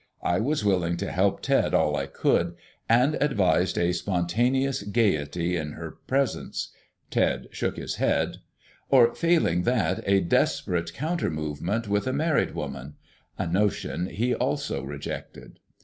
I was willing to help Ted all I could, and advised a spontaneous gaiety in her presence Ted shook his head or failing that, a desperate counter movement with a married woman; a notion he also rejected.